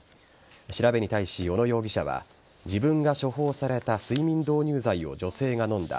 調べに対し、小野容疑者は自分が処方された睡眠導入剤を女性が飲んだ。